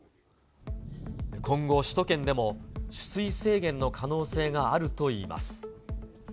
今後、首都圏でも取水制限の可能性があるといいます。